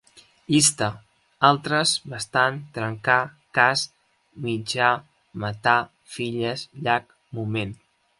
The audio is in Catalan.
Llista: altres, bastant, trencar, cas, mitjà, matar, filles, llac, moment